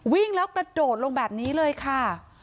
วิ่งแล้วกระโดดลงแบบนี้เลยค่ะ